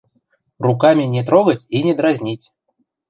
Руками не трогать и не дразнить.